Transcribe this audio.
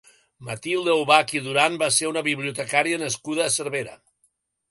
Matilde Ubach i Duran va ser una bibliotecària nascuda a Cervera.